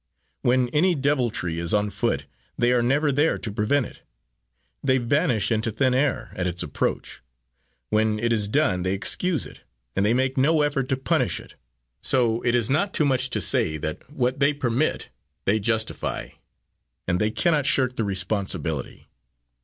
When any deviltry is on foot they are never there to prevent it they vanish into thin air at its approach. When it is done, they excuse it; and they make no effort to punish it. So it is not too much to say that what they permit they justify, and they cannot shirk the responsibility.